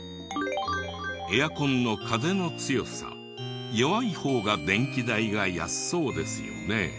エアコンの風の強さ弱い方が電気代が安そうですよね。